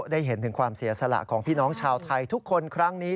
ได้เห็นถึงความเสียสละของพี่น้องชาวไทยทุกคนครั้งนี้